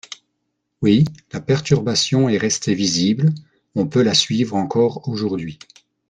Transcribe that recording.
Oui, la perturbation est restée visible, on peut la suivre encore aujourd’hui.